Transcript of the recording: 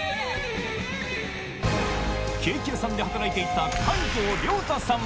ケーキ屋さんで働いていた